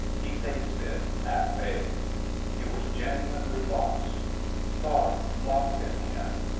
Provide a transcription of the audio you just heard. He faced it at bay. He was genuinely lost. Thought blocked in him.